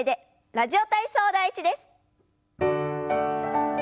「ラジオ体操第１」です。